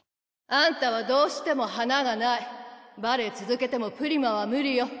あんたはどうしても華がないバレエ続けてもプリマは無理よ。